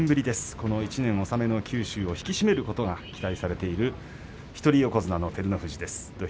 この１年納めの九州を引き締めることが期待されている一人横綱の照ノ富士です。